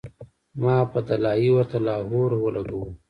ما پۀ “دلائي” ورته لاهور او لګوو